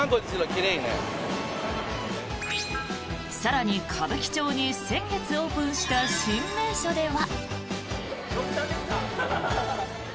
更に、歌舞伎町に先月オープンした新名所では。